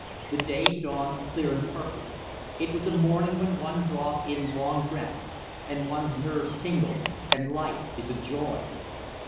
The day dawned clear and perfect; it was a morning when one draws in long breaths, and one's nerves tingle, and life is a joy.